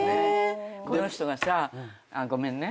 この人がさごめんね。